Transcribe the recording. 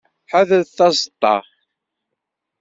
Ḥadret taseṭṭa.